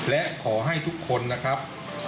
และขอให้ทุกคนนะครับ